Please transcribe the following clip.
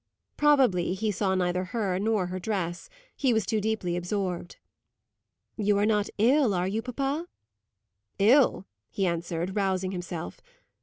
Probably he saw neither her nor her dress he was too deeply absorbed. "You are not ill, are you, papa?" "Ill!" he answered, rousing himself.